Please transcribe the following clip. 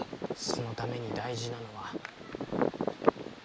そのために大事なのは。